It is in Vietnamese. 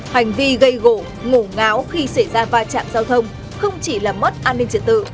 hành vi gây gỗ ngổ ngáo khi xảy ra va chạm giao thông không chỉ làm mất an ninh trật tự